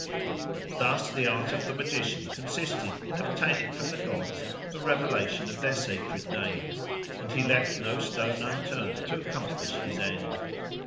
Thus the art of the magician consisted in obtaining from the gods a revelation of their sacred names, and he left no stone unturned to accomplish his end.